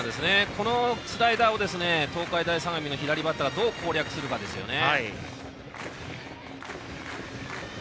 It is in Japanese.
このスライダーを東海大相模の左バッターがどう攻略するかですよね。